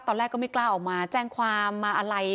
ตอนแรกก็ไม่กล้าออกมาแจ้งความมาอะไร